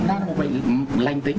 nó là một bệnh lành tính